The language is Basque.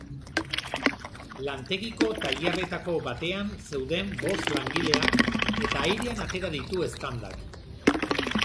Lantegiko tailerretako batean zeuden bost langileak, eta airean atera ditu eztandak.